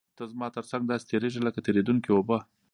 ته زما تر څنګ داسې تېرېږې لکه تېرېدونکې اوبه.